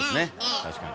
確かに。